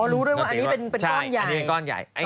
อ๋อรู้ด้วยว่าอันนี้เป็นก้อนใหญ่